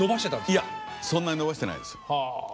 いやそんなに伸ばしてないです。